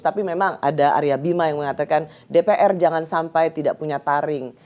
tapi memang ada arya bima yang mengatakan dpr jangan sampai tidak punya taring